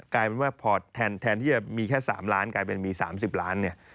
กลายเป็นว่าพอแทนที่จะมีแค่๓ล้านกลายเป็นมี๓๐ล้านเนี่ย